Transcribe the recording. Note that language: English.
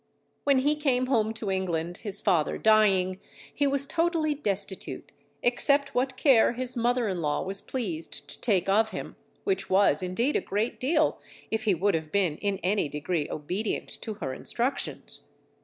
When he came home to England his father dying, he was totally destitute, except what care his mother in law was pleased to take of him, which was, indeed, a great deal, if he would have been in any degree obedient to her instructions.